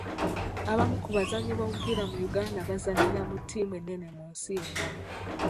Abamu ku bazannyi b'omupiira mu Uganda bazannyira ttiimu ennene mu nsi endala.